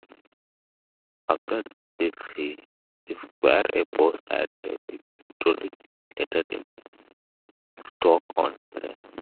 After this he secured a post at a repertory theatre in Stoke-on-Trent.